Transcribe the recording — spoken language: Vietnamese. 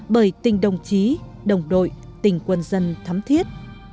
bởi tình đồng chí đồng đội tình quân dân thấm thiết